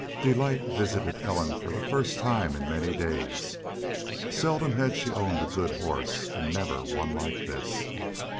Delight visited Ellen for the first time in many days. Seldom had she owned a good horse, and never one like this.